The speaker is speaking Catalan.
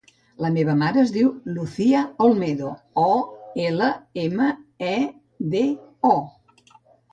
La meva mare es diu Lucía Olmedo: o, ela, ema, e, de, o.